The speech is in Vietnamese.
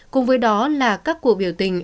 cùng với đó là các cuộc biểu tình